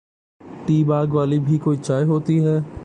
T bag والی بھی کوئی چائے ہوتی ہے؟